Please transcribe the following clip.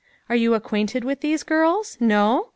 Are you acquainted with these girls? No?